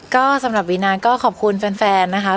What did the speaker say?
ก็สำหรับวีนาก็ขอบคุณแฟนนะคะ